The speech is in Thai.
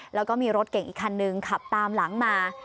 แล้วก็มีรถเก่งอีกคันนึงขับตามหลังมา